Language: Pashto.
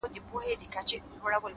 مار په خندا کي له ښامار سره خبرې کوي _